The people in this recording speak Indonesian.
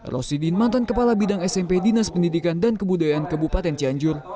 rosidin mantan kepala bidang smp dinas pendidikan dan kebudayaan kabupaten cianjur